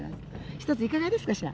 １ついかがですかしら？